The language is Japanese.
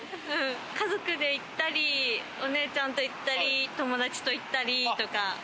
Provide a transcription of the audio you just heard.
家族で行ったり、お姉ちゃんと行ったり、友達と行ったりとか。